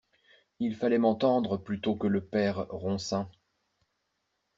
Il fallait m'entendre plutôt que le Père Ronsin.